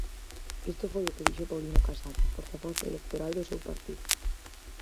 Isto foi o que dixo Paulino Casado, portavoz electoral do seu partido.